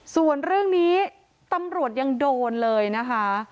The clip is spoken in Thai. ส่วนเรื่องนี้ตำรวจยังโดนเลยนะคะ